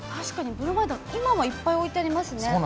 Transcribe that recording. ブロマイド、今もいっぱい置いてありますね。